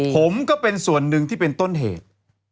ผมก็เป็นส่วนหนึ่งที่เป็นต้นเหตุ